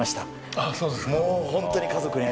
ああ、そうですか。